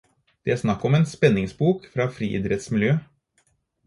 Det er snakk om en spenningsbok fra friidrettsmiljøet.